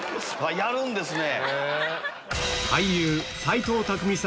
やるんですね！